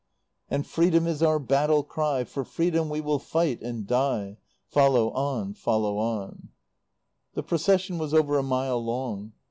And "Freedom!" is our battle cry; For Freedom we will fight and die. Follow on! Follow on! The Procession was over a mile long.